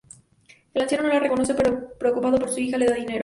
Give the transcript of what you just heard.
El anciano no la reconoce, pero preocupado por su hija le da dinero.